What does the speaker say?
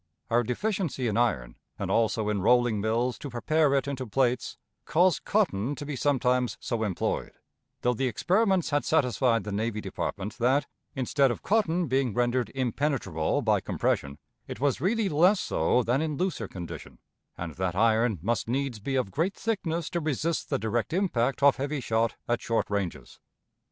Our deficiency in iron, and also in rolling mills to prepare it into plates, caused cotton to be sometimes so employed; though the experiments had satisfied the Navy Department that, instead of cotton being rendered impenetrable by compression, it was really less so than in looser condition, and that iron must needs be of great thickness to resist the direct impact of heavy shot at short ranges.